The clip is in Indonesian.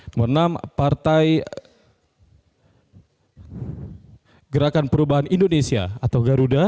nomor enam partai gerakan perubahan indonesia atau garuda